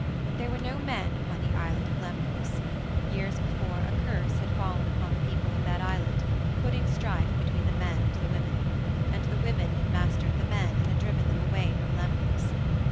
There were no men upon the Island of Lemnos. Years before a curse had fallen upon the people of that island, putting strife between the men and the women. And the women had mastered the men and had driven them away from Lemnos.